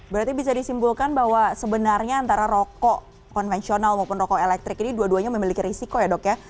berarti bisa disimpulkan bahwa sebenarnya antara rokok konvensional maupun rokok elektrik ini dua duanya memiliki risiko ya dok ya